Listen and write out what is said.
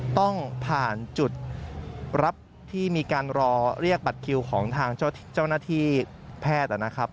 ต้องผ่านจุดรับที่มีการรอเรียกบัตรคิวของทางเจ้าหน้าที่แพทย์นะครับ